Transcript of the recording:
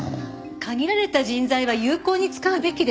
限られた人材は有効に使うべきです。